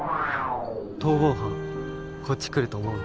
逃亡犯こっち来ると思う？